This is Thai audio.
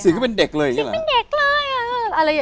เสียงก็เป็นเด็กเลย